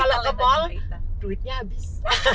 kalau ke mal duitnya habis